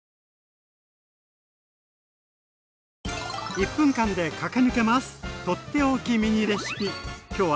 １分間で駆け抜けます！